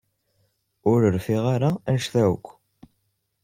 Ur rfiɣ ara anect-a akk.